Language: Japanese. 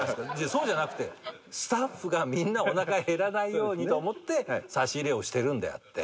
そうじゃなくてスタッフがみんなおなか減らないようにと思って差し入れをしてるんであって。